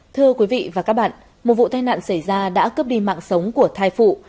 thưa quý vị và các bạn một vụ tai nạn xảy ra đã cướp đi mạng sống của thai phụ